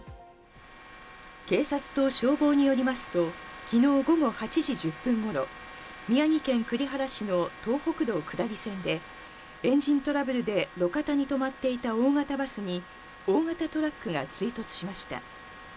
警察と消防によりますと、きのう午後８時１０分頃、宮城県栗原市の東北道下り線で、エンジントラブルで路肩に停まっていた大型バスに大型トラックが追突しました。